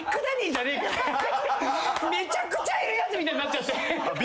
めちゃくちゃいるやつみたいになっちゃって。